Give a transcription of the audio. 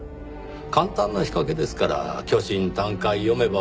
簡単な仕掛けですから虚心坦懐読めばわかります。